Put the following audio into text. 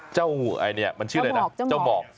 เข้าไปยังไงคุณ